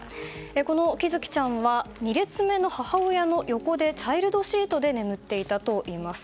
この喜寿生ちゃんは２列目の母親の横でチャイルドシートで眠っていたといいます。